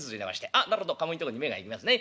あっなるほど鴨居んとこに目が行きますね。